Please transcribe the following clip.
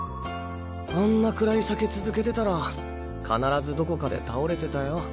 あんな暗い酒続けてたら必ずどこかで倒れてたよ。